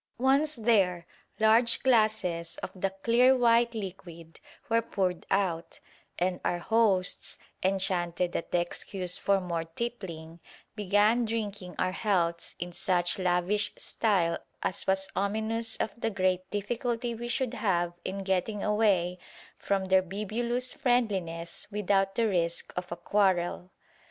Once there, large glasses of the clear white liquid were poured out, and our hosts, enchanted at the excuse for more tippling, began drinking our healths in such lavish style as was ominous of the great difficulty we should have in getting away from their bibulous friendliness without the risk of a quarrel.